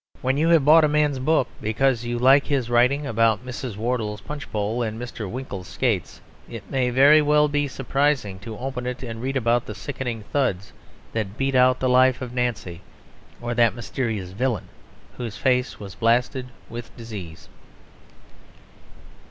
When you have bought a man's book because you like his writing about Mr. Wardle's punch bowl and Mr. Winkle's skates, it may very well be surprising to open it and read about the sickening thuds that beat out the life of Nancy, or that mysterious villain whose face was blasted with disease.